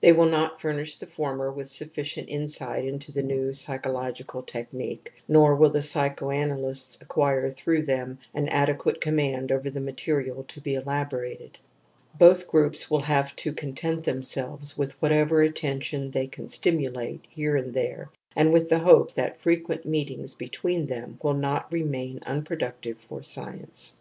They will not furnish the former with sufficient insight into the new pyschological technique, nor will the pyschoanalysts acquire through them an adequate command over the material to be elaborated. Both groups will have to content themselves with whatever attention they can stimulate here and there and with the hope that frequent meetings be tween them will not remain unproductive for science.